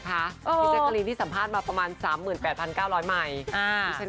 อัพเทคโรนที่สัมภาษณ์มาประมาณ๓๘๙๐๐มาย